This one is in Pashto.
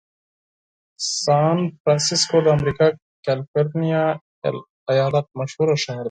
سان فرنسیسکو د امریکا کالفرنیا ایالت مشهوره ښار دی.